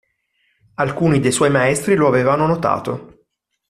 Alcuni dei suoi maestri lo avevano notato.